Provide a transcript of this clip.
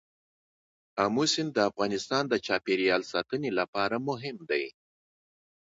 آمو سیند د افغانستان د چاپیریال ساتنې لپاره مهم دي.